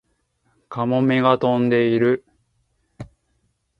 カモメが飛んでいる